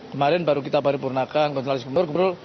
kemarin baru kita baru purnakan konsultasi gubernur